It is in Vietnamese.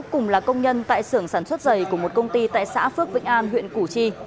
cùng là công nhân tại xưởng sản xuất dày của một công ty tại xã phước vĩnh an huyện củ chi